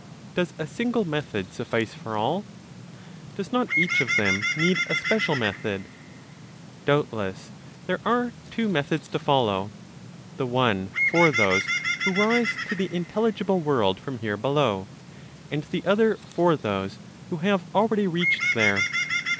Does a single method suffice for all? Does not each of them need a special method? Doubtless. There are two methods to follow: the one for those who rise to the intelligible world from here below, and the other for those who have already reached there.